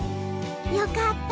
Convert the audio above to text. よかった。